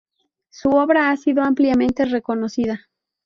Su obra ha sido ampliamente reconocida.